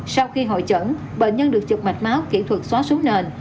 sau khi hội chẩn bệnh nhân được chụp mạch máu kỹ thuật xóa xuống nền